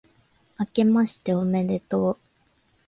明けましておめでとう